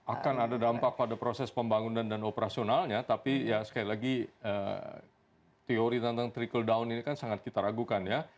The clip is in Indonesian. akan ada dampak pada proses pembangunan dan operasionalnya tapi ya sekali lagi teori tentang trickle down ini kan sangat kita ragukan ya